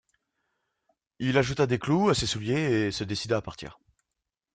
Il ajouta des clous à ses souliers et se décida à partir.